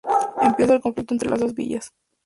Empieza el conflicto entre las dos villas.